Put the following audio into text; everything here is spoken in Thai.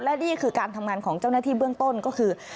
และนี่คือการทำงานของเจ้าหน้าที่เบื้องต้นก็คือ